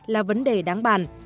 là vấn đề đáng bàn